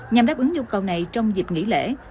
nhằm đáp ứng nhu cầu này trong dịp nghỉ lễ